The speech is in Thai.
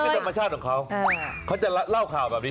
เป็นธรรมชาติของเขาเขาจะเล่าข่าวแบบนี้